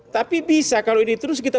tapi bisa kalau ini terus kita